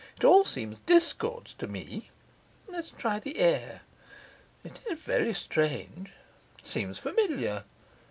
It all seems discords to me. Let's try the air. It is very strange, it seems familiar.